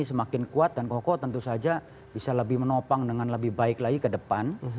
semakin kuat dan kokoh tentu saja bisa lebih menopang dengan lebih baik lagi ke depan